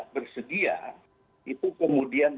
bersedia itu kemudian